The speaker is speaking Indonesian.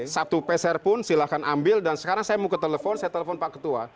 satu peser pun silahkan ambil dan sekarang saya mau ke telepon saya telepon pak ketua